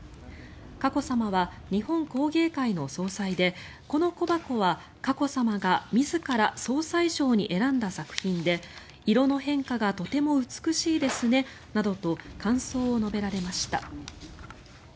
佳子さまは日本工芸会の総裁でこの小箱は佳子さまが自ら総裁賞に選んだ作品で色の変化がとても美しいですねなどと感想を述べられました。